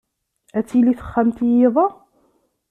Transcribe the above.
Ad tili texxamt i yiḍ-a?